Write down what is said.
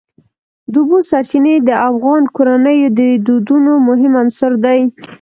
د اوبو سرچینې د افغان کورنیو د دودونو مهم عنصر دی.